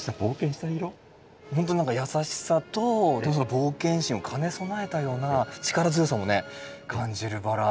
ほんとに何か優しさとその冒険心を兼ね備えたような力強さもね感じるバラ。